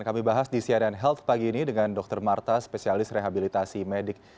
kami bahas di cnn health pagi ini dengan dr marta spesialis rehabilitasi medik